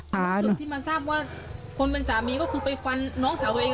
จุดที่มาทราบว่าคนเป็นสามีก็คือไปฟันน้องสาวตัวเอง